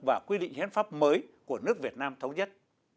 và quy định hiến pháp mới của nước việt nam thống nhất